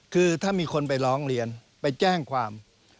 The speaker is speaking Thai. คือถ้ามีคนไปร้องเรียนไปแจ้งความ